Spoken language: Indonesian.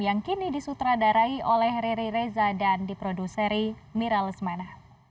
yang kini disutradarai oleh riri reza dan diproduseri mira lesmana